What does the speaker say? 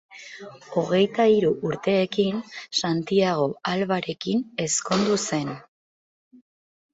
Hogeita hiru urteekin Santiago Albarekin ezkondu zen.